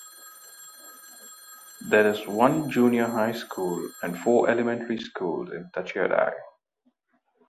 There is one junior high school and four elementary schools in Tachiarai.